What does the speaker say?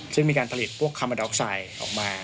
ซึ่งมีการผลิตพวกคามอนด็อกไซด์ออกมา